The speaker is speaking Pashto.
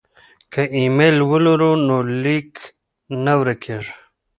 که ایمیل ولرو نو لیک نه ورکيږي.